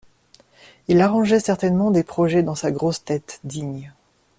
Il arrangeait certainement des projets dans sa grosse tête digne.